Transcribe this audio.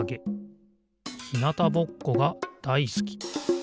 ひなたぼっこがだいすき。